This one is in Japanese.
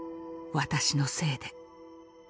私のせいで。